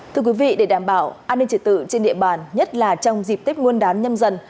thưa quý vị để đảm bảo an ninh trị tự trên địa bàn nhất là trong dịp tiếp nguồn đán nhâm dần